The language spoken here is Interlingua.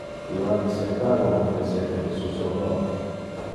Io acceptava un presente de su soror.